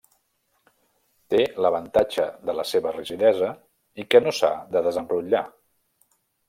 Té l'avantatge de la seva rigidesa i que no s'ha de desenrotllar.